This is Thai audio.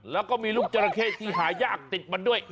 แล้วก็มีลูกจราเข้ที่หายากติดมันด้วย